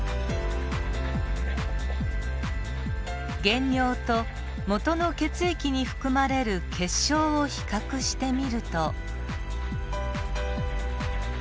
原尿ともとの血液に含まれる血しょうを比較してみると。